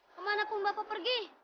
kemana pun bapak pergi